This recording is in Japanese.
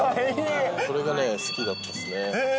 それがね、好きだったですね。